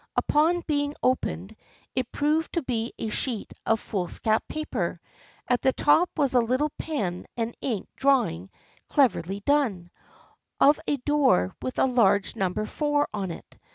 Upon being opened, it proved to be a sheet of foolscap paper. At the top was a little pen and ink drawing cleverly done, of a door with a large " Number 4 " on it.